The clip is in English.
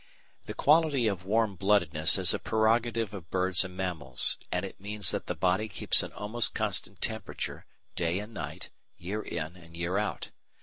The quality of warm bloodedness is a prerogative of birds and mammals, and it means that the body keeps an almost constant temperature, day and night, year in and year out.